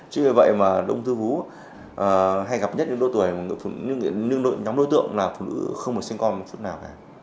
chứ vì vậy mà ông thư vú hay gặp nhất những đối tuổi những nhóm đối tượng là phụ nữ không được sinh con một chút nào cả